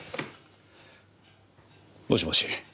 もしもし。